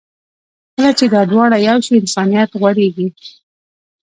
کله چې دا دواړه یو شي، انسانیت غوړېږي.